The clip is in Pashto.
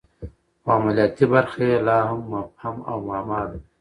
خو عملیاتي برخه یې لا هم مبهم او معما ده